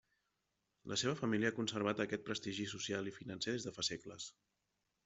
La seva família ha conservat aquest prestigi social i financer des de fa segles.